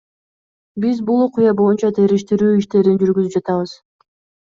Биз бул окуя боюнча териштирүү иштерин жүргүзүп жатабыз.